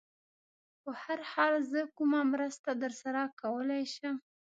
په هر حال، زه کومه مرسته در سره کولای شم؟